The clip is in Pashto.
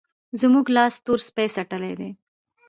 زموږ لاس تور سپي څټلی دی.